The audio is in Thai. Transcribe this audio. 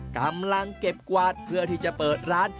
กำลังเก็บกวาดเพื่อที่จะเปิดร้าน